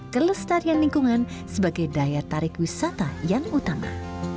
kelestarian lingkungan sebabnya kita harus menjaga keamanan dan keamanan di seluruh dunia